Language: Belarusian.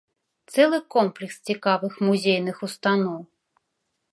Цэлы комплекс цікавых музейных устаноў.